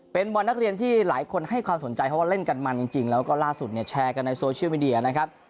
เป็นบอลนักเรียนที่หลายคนให้ความสนใจเพราะว่าเล่นกันมันจริงแล้วก็ล่าสุดเนี่ยแชร์กันในโซเชียลมีเดียนะครับ